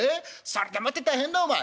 それでもって大変だお前。